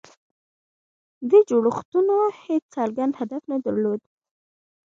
دې جوړښتونو هېڅ څرګند هدف نه درلود.